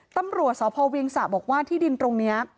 ตำรวจสพเวียงสะบอกว่าที่ดินตรงนี้